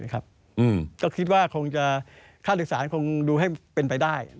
ก็คิดว่าข้าวโดยศัลคงดูให้เป็นไปได้